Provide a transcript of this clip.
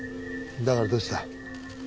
だからどうした？